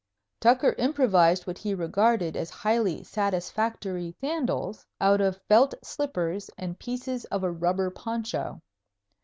Tucker improvised what he regarded as highly satisfactory sandals out of felt slippers and pieces of a rubber poncho.